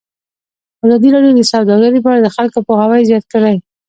ازادي راډیو د سوداګري په اړه د خلکو پوهاوی زیات کړی.